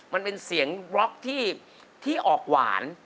มันเป็นเสียงบล็อกที่ออกหวาน